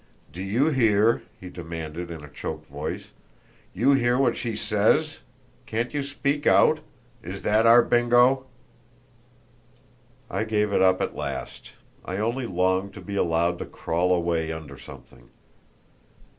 "Do you hear?" he demanded, in a choked voice. "You hear what she says? Can't you speak out? Is that our Bingo?" I gave it up at last; I only longed to be allowed to crawl away under something!